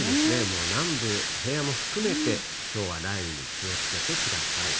もう南部、平野も含めて、きょうは雷雨に気をつけてください。